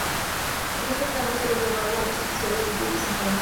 En este tramo sólo lleva agua en los episodios de lluvias intensas.